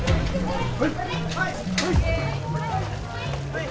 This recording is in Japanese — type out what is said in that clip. はい！